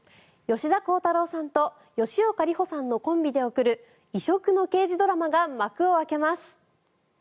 吉田鋼太郎さんと吉岡里帆さんのコンビで送る異色の刑事ドラマが幕を開けます。